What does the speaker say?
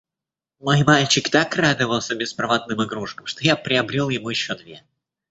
Мой мальчик так радовался беспроводным игрушкам, что я приобрёл ему ещё две.